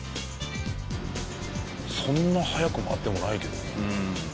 そんな速く回ってもないけどね。